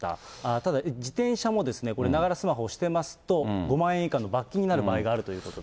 ただ、自転車もながらスマホをしてますと、５万円以下の罰金になる場合があるということで。